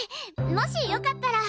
もしよかったら！